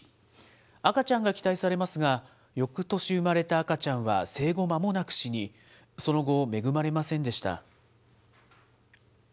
赤ちゃんが期待されますが、よくとし生まれた赤ちゃんは生後まもなく死に、その後、恵まれませんでした。